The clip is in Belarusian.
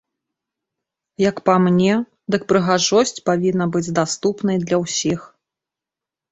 Як па мне, дык прыгажосць павінна быць даступнай для ўсіх.